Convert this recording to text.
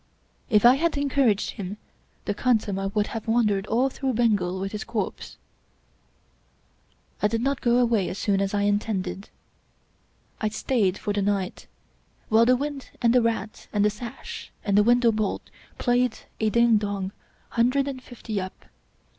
If I had encouraged him the khansamah would have wandered all through Bengal with his corpse. I did not go away as soon as I intended. I stayed for the night, while the wind and the rat and the sash and the window bolt played a ding dong " hundred and fifty up."